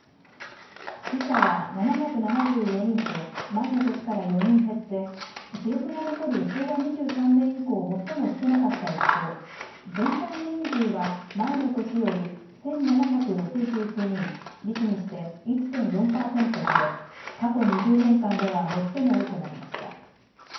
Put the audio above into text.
死者は７７４人と前の年から４人減って記録が残る昭和２３年以降、最も少なかった一方、全体の人数は前の年より１７６９人、率にして１．４％増え、過去２０年間では最も多くなりました。